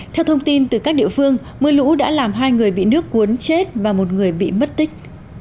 theo thông tin từ các địa phương mưa lũ đã làm hai người bị nước cuốn chết và một người bị mất tích